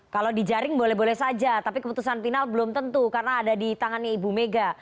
kalau dijaring boleh boleh saja tapi keputusan final belum tentu karena ada di tangannya ibu mega